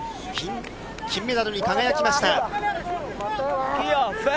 金メダルに輝きました。